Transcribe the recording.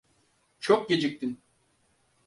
Çok geciktin.